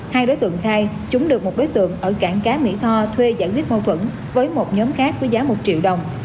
hai đối tượng khai chúng được một đối tượng ở cảng cá mỹ tho thuê giải quyết mâu thuẫn với một nhóm khác với giá một triệu đồng